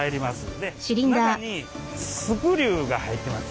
で中にスクリューが入ってます。